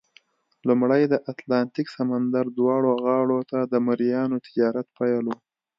لومړی د اتلانتیک سمندر دواړو غاړو ته د مریانو تجارت پیل وو.